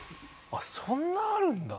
あっそんなあるんだ。